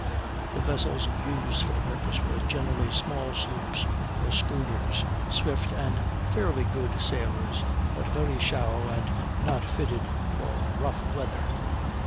The vessels used for the purpose were generally small sloops or schooners, swift and fairly good sailors, but very shallow and not fitted for rough weather.